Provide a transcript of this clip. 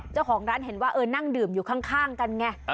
เจ้าของร้านเห็นว่าเออนั่งดื่มอยู่ข้างกันไง